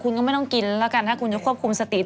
ช่วงนี้หัวใจมันสีชมพูสินะ